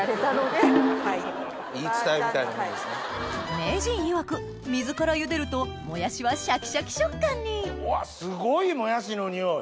名人いわく水から茹でるともやしはシャキシャキ食感にわっすごいもやしの匂い！